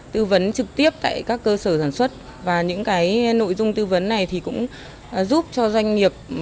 tư vấn trực tiếp tại các cơ sở sản xuất và những cái nội dung tư vấn này thì cũng giúp cho doanh nghiệp